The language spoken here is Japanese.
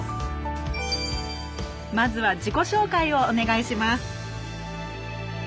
まずは自己紹介をお願いします